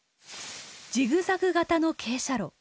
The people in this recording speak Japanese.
ジグザグ型の傾斜路。